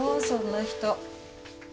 そんな人。